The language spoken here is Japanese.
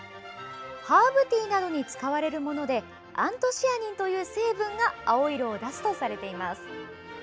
ハーブティーなどに使われるものでアントシアニンという成分が青い色を出すとされています。